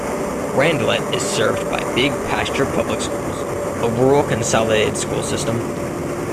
Randlett is served by Big Pasture Public Schools, a rural consolidated school system.